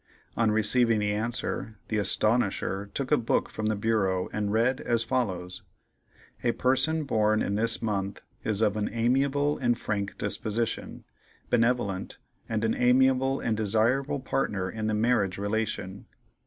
On receiving the answer, the Astonisher took a book from the bureau and read as follows: "A person born in this month is of an amiable and frank disposition, benevolent, and an amiable and desirable partner in the marriage relation.